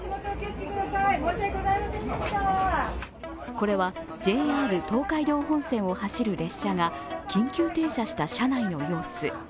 これはＪＲ東海道本線を走る列車が緊急停車した車内の様子。